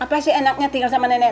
apasih enaknya tinggal sama nenek nenek